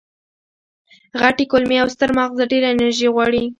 غټې کولمې او ستر ماغز ډېره انرژي غواړي.